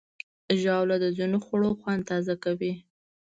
ژاوله د ځینو خوړو خوند تازه کوي.